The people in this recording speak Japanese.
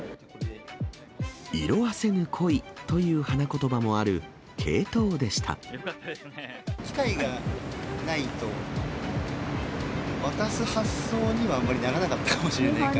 色あせぬ恋という花言葉もあ機会がないと、渡す発想にはあんまりならなかったかもしれないから。